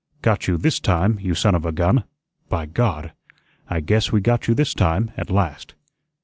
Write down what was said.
"Got you THIS time, you son of a gun! By God! I guess we got you THIS time, at last.